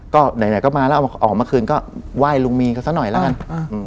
ก็ไหนก็มาแล้วเอาออกมาคืนก็ไหว้ลุงมีนกันซะหน่อยแล้วกัน